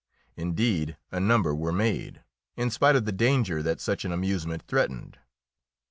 Indeed, a number were made, in spite of the danger that such an amusement threatened.